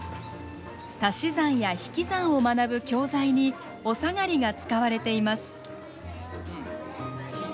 足し算や引き算を学ぶ教材におさがりが使われています。